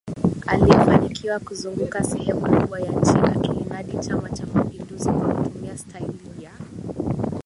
aliyefanikiwa kuzunguka sehemu kubwa ya nchi akiinadi Chama cha mapinduzi kwa kutumia staili ya